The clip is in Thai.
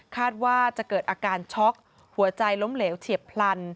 ว่าจะเกิดอาการช็อกหัวใจล้มเหลวเฉียบพลัน